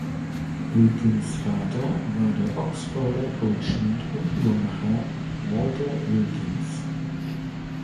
Wilkins Vater war der Oxforder Goldschmied und Uhrmacher Walter Wilkins.